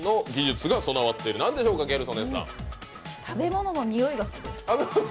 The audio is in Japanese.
食べ物のにおいがする。